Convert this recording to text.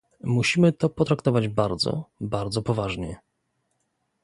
Musimy to potraktować bardzo, bardzo poważnie